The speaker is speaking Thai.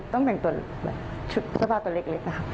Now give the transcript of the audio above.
ต้องแสงชุดสภาพตัวเล็ก